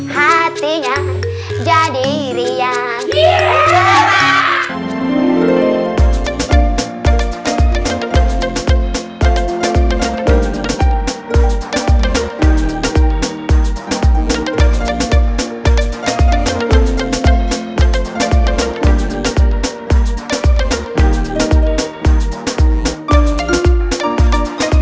hatinya jadi riang